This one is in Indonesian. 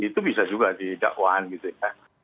itu bisa juga di dakwaan gitu ya